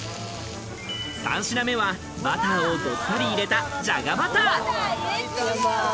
３品目は、バターをどっさり入れたじゃがバター。